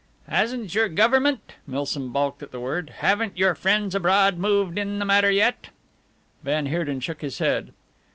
"Hasn't your Government" Milsom balked at the word "haven't your friends abroad moved in the matter yet?" Van Heerden shook his head.